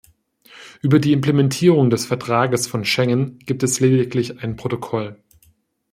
Über die Implementierung des Vertrages von Schengen gibt es lediglich ein Protokoll.